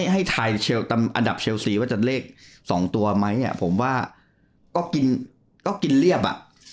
ให้ไทยเชลอันดับเชลซีว่าจะเลข๒ตัวไหมผมว่าก็กินเรียบอ่ะ